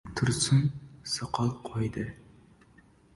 Tursun soqol qo‘ydi.